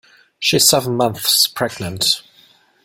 She is seven months pregnant.